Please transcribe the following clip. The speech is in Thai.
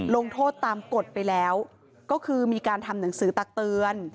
ลงโทษตามกฎไปแล้วก็คือมีการทำหนังสือตักเตือน